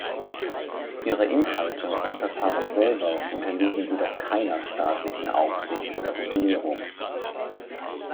Ihre Inhalte und Verfahren selber unterliegen jedoch keiner staatlichen Aufsicht oder Regulierung.